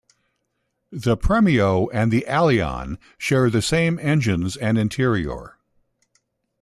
The Premio and the Allion share the same engines and interior.